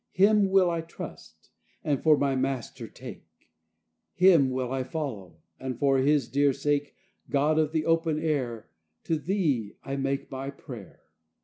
Him will I trust, and for my Master take; Him will I follow; and for his dear sake, God of the open air, To thee I make my prayer.